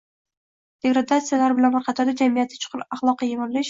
degradatsiyalar bilan bir qatorda - jamiyatdagi chuqur axloqiy yemirilish